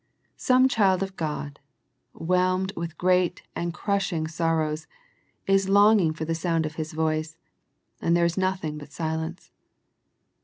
Some child of God, whelmed with great and crushing sor rows is longing for the sound of His voice, and there is nothing but silence.